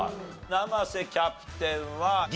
生瀬キャプテンはＤ。